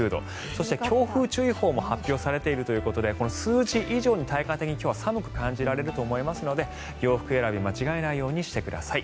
そして強風注意報も発表されているということでこの数字以上に体感的に今日は寒く感じられると思いますので洋服選び間違えないようにしてください。